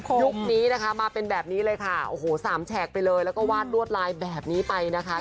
ยุคนี้นะคะมาเป็นแบบนี้เลยค่ะโอ้โหสามแฉกไปเลยแล้วก็วาดลวดลายแบบนี้ไปนะคะ